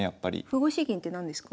歩越し銀って何ですか？